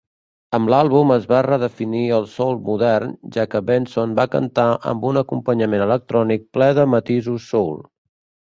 Amb l'àlbum es va redefinir el soul modern, ja que Benson va cantar amb un acompanyament electrònic ple de matisos soul.